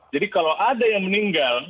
jadi kalau ada yang meninggal